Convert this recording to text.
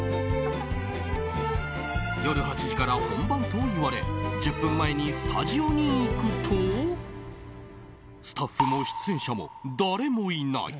夜８時から本番と言われ１０分前にスタジオに行くとスタッフも出演者も誰もいない。